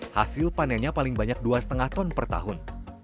hasil panennya paling banyak dua lima ton per tahun